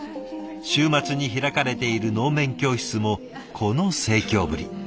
週末に開かれている能面教室もこの盛況ぶり。